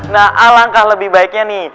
nah alangkah lebih baiknya nih